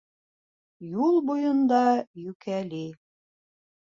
Юл буйында Йүкәли.